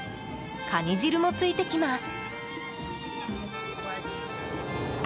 カニ汁もついてきます。